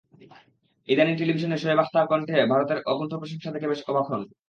ইদানীং টেলিভিশনে শোয়েব আখতারের কণ্ঠে ভারতের অকুণ্ঠ প্রশংসা দেখে বেশ অবাক হন।